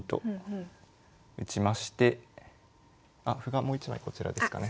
あ歩がもう一枚こちらですかね。